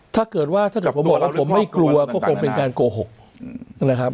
ถ้าเกิดว่าถ้าเกิดผมบอกว่าผมไม่กลัวก็คงเป็นการโกหกนะครับ